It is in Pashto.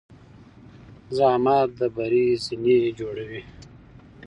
زحمت د بری زینې جوړوي.